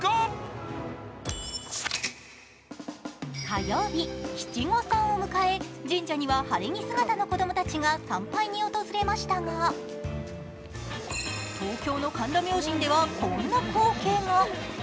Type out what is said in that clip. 火曜日、七五三を迎え、神社には晴れ着姿の子供たちが参拝に訪れましたが、東京の神田明神ではこんな光景が。